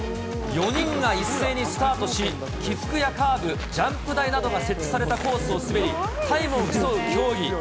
４人が一斉にスタートし、起伏やカーブ、ジャンプ台などが設置されたコースを滑り、タイムを競う競技。